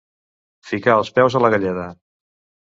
Ficar els peus a la galleda.